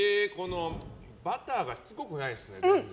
バターがしつこくないですね。